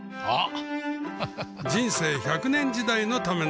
あっ！